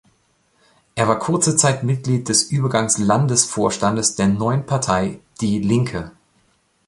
Er war kurze Zeit Mitglied des Übergangs-Landesvorstandes der neuen Partei Die Linke.